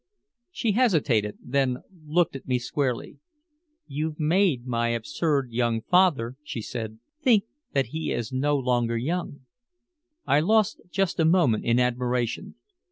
She hesitated, then looked at me squarely. "You've made my absurd young father," she said, "think that he is no longer young." I lost just a moment in admiration.